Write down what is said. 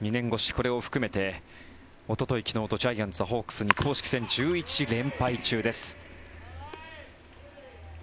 これを含めておととい、昨日とジャイアンツはホークスに公式戦１１連敗中です。